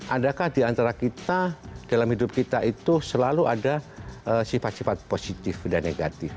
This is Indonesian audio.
adakah diantara kita dalam hidup kita itu selalu ada sifat sifat positif dan negatif